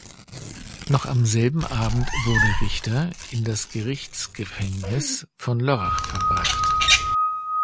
Noch am selben Abend wurde Richter in das Gerichtsgefängnis von Lörrach verbracht.